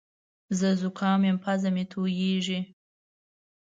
زه زوکام یم پزه مې تویېږې